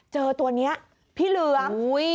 เจอตัวนี้พี่เหลือง